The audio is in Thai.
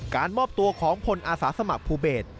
มอบตัวของพลอาสาสมัครภูเบศ